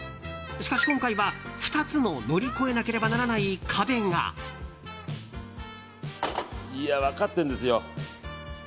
しかし今回は、２つの乗り越えなければならない壁が。いや分かってんですよ。